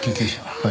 はい。